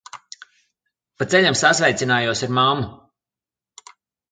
Pa ceļam sasveicinājos ar mammu.